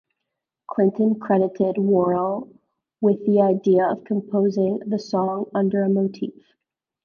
Clinton credited Worrell with the idea of composing the song under a motif.